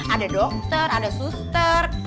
ada dokter ada sester